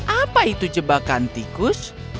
apa itu jebakan tikus